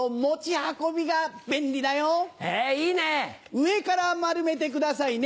上から丸めてくださいね